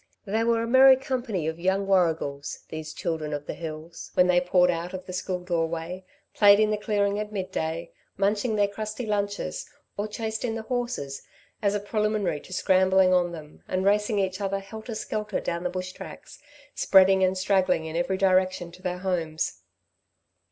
They were a merry company of young warrigals, these children of the hills, when they poured out of the school doorway, played in the clearing at midday, munching their crusty lunches, or chased in the horses, as a preliminary to scrambling on to them and racing each other helter skelter down the bush tracks, spreading and straggling in every direction to their homes.